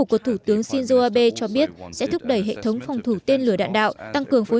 ngoại trưởng shinzo abe cho biết sẽ thúc đẩy hệ thống phòng thủ tên lửa đạn đạo tăng cường phối